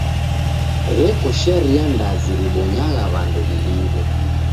Reko shekeria ndazi ribonyagha w'andu w'iliw'e.